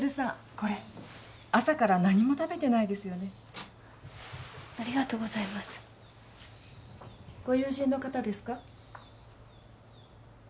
これ朝から何も食べてないですよねありがとうございますご友人の方ですか？